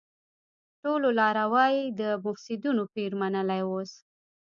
ټولو لاروی د مفسيدينو پير منلی اوس